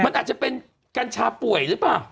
มันอาจจะเป็นกัญชาป่วยหรือเปล่า